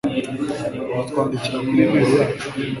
watwandikira kuri enail yacu